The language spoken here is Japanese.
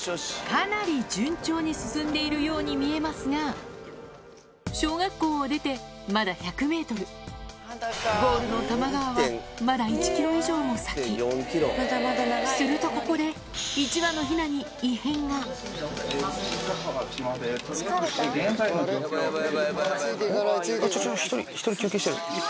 かなり順調に進んでいるように見えますが小学校を出てまだ１００ｍゴールの多摩川はまだ１ｋｍ以上も先するとここであっちょっちょっ１人。